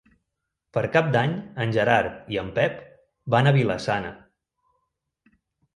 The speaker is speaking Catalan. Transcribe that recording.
Per Cap d'Any en Gerard i en Pep van a Vila-sana.